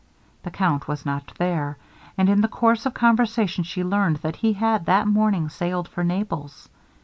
The Count was not there, and in the course of conversation, she learned that he had that morning sailed for Naples.